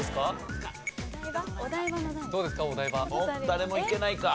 誰もいけないか？